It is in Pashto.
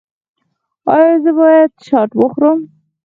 ایا زه باید شات وخورم؟